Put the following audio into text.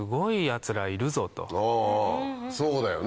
そうだよね。